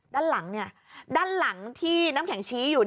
ด้านหลังเนี่ยด้านหลังที่น้ำแข็งชี้อยู่